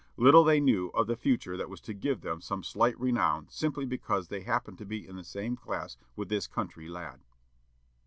Little they knew of the future that was to give them some slight renown simply because they happened to be in the same class with this country lad!